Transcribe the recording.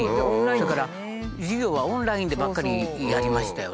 それから授業はオンラインでばっかりやりましたよね。